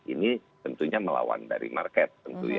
ini tentunya melawan dari market